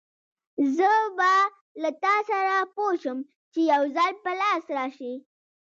زه به له تاسره پوه شم، چې يوځل په لاس راشې!